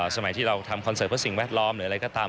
สมัยที่เราทำคอนเสิร์ตเพื่อสิ่งแวดล้อมหรืออะไรก็ตาม